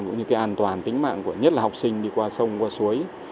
những cái an toàn tính mạng của nhất là học sinh đi qua sông qua suối